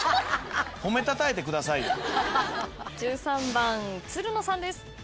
１３番つるのさんです。